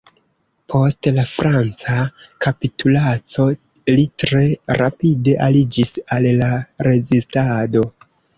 Post la franca kapitulaco, li tre rapide aliĝis al la rezistado.